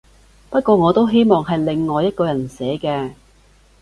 不過我都希望係另外一個人寫嘅